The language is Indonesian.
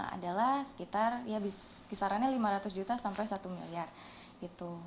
adalah sekitar ya kisarannya lima ratus juta sampai satu miliar gitu